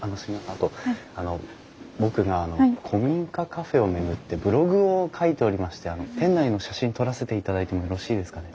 あと僕があの古民家カフェを巡ってブログを書いておりまして店内の写真撮らせていただいてもよろしいですかね？